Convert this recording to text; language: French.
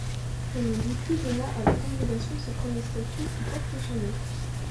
Raymond du Puy donna à la congrégation ses premiers statuts qui portent son nom.